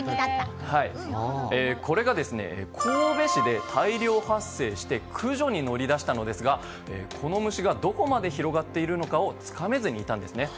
これが、神戸市で大量発生して駆除に乗り出したのですがこの虫がどこまで広がっているのかをつかめずにいたんですね。